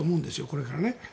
これからね。